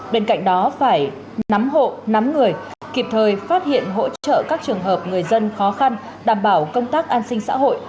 bên cạnh đó phải nắm hộ nắm người kịp thời phát hiện hỗ trợ các trường hợp người dân khó khăn đảm bảo công tác an sinh xã hội